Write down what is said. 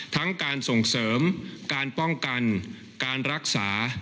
ทั้งการส่งเสริมการป้องกันการรักษา